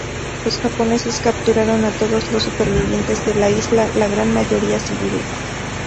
Los japoneses capturaron a todos los supervivientes de la isla, la gran mayoría civiles.